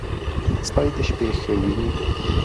سپي د شپې ښه ویني.